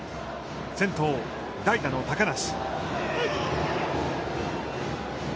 先頭、代打の高梨。